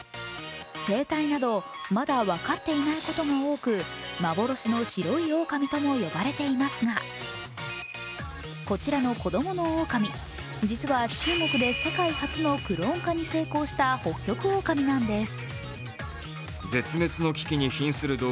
生態などまだ分かっていないことが多く幻の白いオオカミとも呼ばれていますが、こちらの子どものオオカミ、実は中国で世界初のクローン化に成功したホッキョクオオカミなんです。